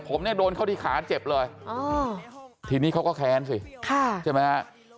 ผมเนี่ยโดนเข้าที่ขาเจ็บเลยอ๋อทีนี้เขาก็แค้นสิค่ะใช่ไหมฮะ